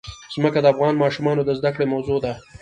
ځمکه د افغان ماشومانو د زده کړې موضوع ده.